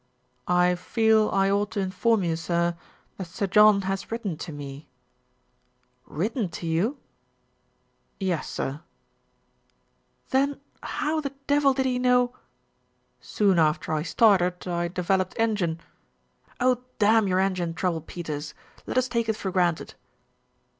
"I feel I ought to inform you, sir, that Sir John has written to me." "Written to you !" "Yes, sir." "Then how the devil did he know " "Soon after I started, I developed engine " "Oh, damn your engine trouble, Peters ! Let us take it for granted."